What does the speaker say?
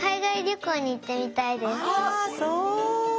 あらそう！